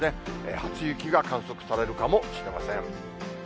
初雪が観測されるかもしれません。